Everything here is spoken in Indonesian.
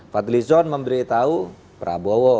fadli zon memberitahu prabowo